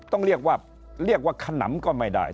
ต้องเรียกว่าเรียกว่าขนำก็ไม่ได้